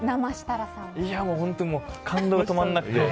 本当に感動が止まらなくて。